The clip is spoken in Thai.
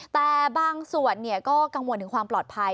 แต่บางส่วนก็กังวลถึงความปลอดภัย